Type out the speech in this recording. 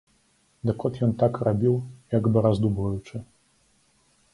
Дык от ён так рабіў, як бы раздумваючы.